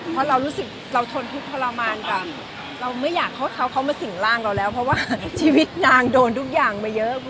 เพราะเรารู้สึกเราทนทุกข์ทรมานกับเราไม่อยากให้เขาเขามาสิ่งร่างเราแล้วเพราะว่าชีวิตนางโดนทุกอย่างมาเยอะ